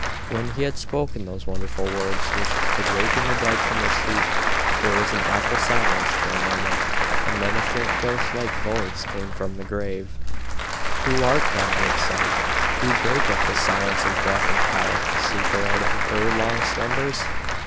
When he had spoken those wonderful words which could waken the dead from their sleep, there was an awful silence for a moment, and then a faint ghost like voice came from the grave. "Who art thou?" it said. "Who breaketh the silence of death, and calleth the sleeper out of her long slumbers?